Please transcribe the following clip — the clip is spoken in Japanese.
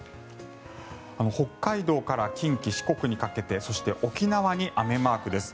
北海道から近畿、四国にかけてそして、沖縄に雨マークです。